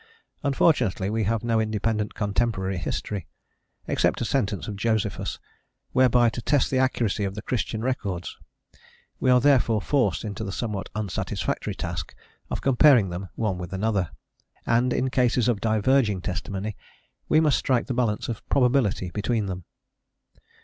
Unfortunately we have no independent contemporary history except a sentence of Josephus whereby to test the accuracy of the Christian records; we are therefore forced into the somewhat unsatisfactory task of comparing them one with another, and in cases of diverging testimony we must strike the balance of probability between them.